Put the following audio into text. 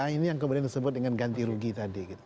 ini yang kemudian disebut dengan ganti rugi tadi